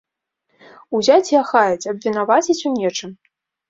Узяць і ахаяць, абвінаваціць у нечым?